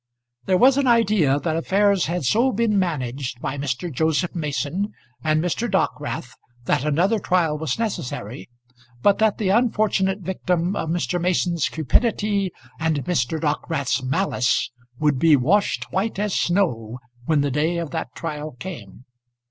There was an idea that affairs had so been managed by Mr. Joseph Mason and Mr. Dockwrath that another trial was necessary, but that the unfortunate victim of Mr. Mason's cupidity and Mr. Dockwrath's malice would be washed white as snow when the day of that trial came.